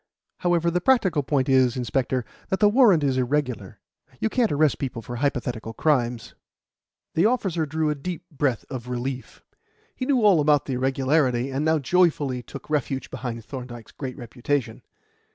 However, the practical point is, inspector, that the warrant is irregular. You can't arrest people for hypothetical crimes." The officer drew a deep breath of relief. He knew all about the irregularity, and now joyfully took refuge behind Thorndyke's great reputation.